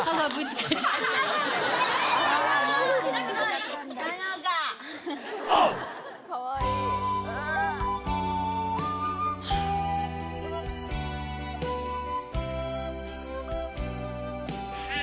かわいい。